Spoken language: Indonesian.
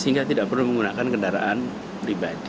sehingga tidak perlu menggunakan kendaraan pribadi